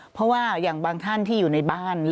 เพราะว่าอย่างบางท่านที่อยู่ในบ้าน